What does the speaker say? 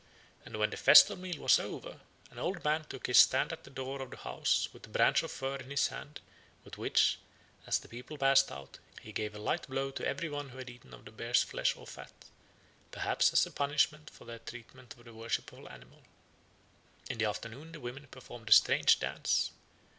And when the festal meal was over, an old man took his stand at the door of the house with a branch of fir in his hand, with which, as the people passed out, he gave a light blow to every one who had eaten of the bear's flesh or fat, perhaps as a punishment for their treatment of the worshipful animal. In the afternoon the women performed a strange dance.